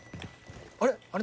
あれ？